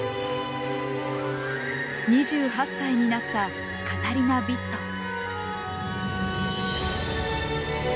２８歳になったカタリナビット。